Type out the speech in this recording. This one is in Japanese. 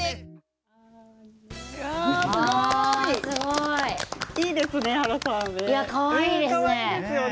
すごい！かわいいですね。